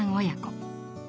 親子。